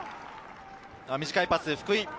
短いパス、福井。